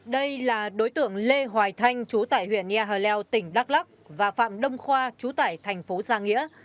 đây là đối tượng lê hoài thanh chú tải huyện nha hờ leo tỉnh đắk lắc và phạm đông khoa chú tải thành phố giang nghĩa